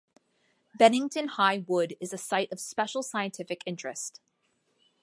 Benington High Wood is a Site of Special Scientific Interest.